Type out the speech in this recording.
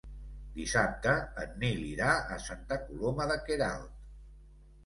Dissabte en Nil irà a Santa Coloma de Queralt.